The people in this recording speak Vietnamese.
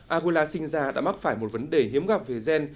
angola sinh ra đã mắc phải một vấn đề hiếm gặp về gen